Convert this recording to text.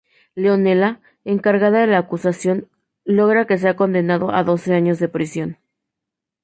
Leonela, encargada de la acusación, logra que sea condenado a doce años de prisión.